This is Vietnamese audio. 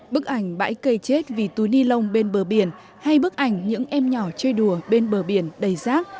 bức ảnh bãi cây chết vì túi ni lông bên bờ biển hay bức ảnh những em nhỏ chơi đùa bên bờ biển đầy rác